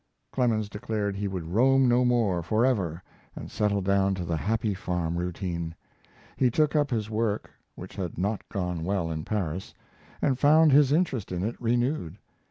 Clemens declared he would roam no more forever, and settled down to the happy farm routine. He took up his work, which had not gone well in Paris, and found his interest in it renewed.